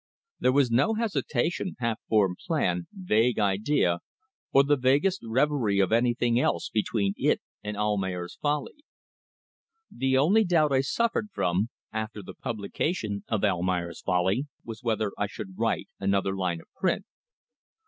There was no hesitation, half formed plan, vague idea, or the vaguest reverie of anything else between it and "Almayer's Folly." The only doubt I suffered from, after the publication of "Almayer's Folly," was whether I should write another line for print.